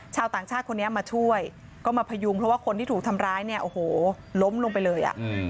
ชาวต่างชาติคนนี้มาช่วยก็มาพยุงเพราะว่าคนที่ถูกทำร้ายเนี่ยโอ้โหล้มลงไปเลยอ่ะ